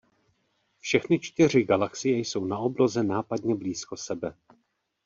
Všechny čtyři galaxie jsou na obloze nápadně blízko sebe.